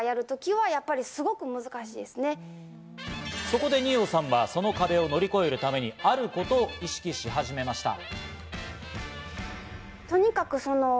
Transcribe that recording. そこで二葉さんは、その壁を乗り越えるためにあることを意識し始めました。